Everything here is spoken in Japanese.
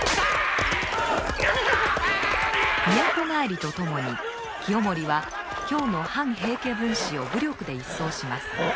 都還りとともに清盛は京の反平家分子を武力で一掃します。